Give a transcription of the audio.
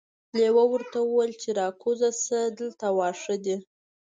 لیوه ورته وویل چې راکوزه شه دلته واښه دي.